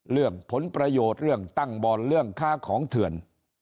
เรื่องผลประโยชน์เรื่องตั้งบ่อนเรื่องค้าของเถื่อน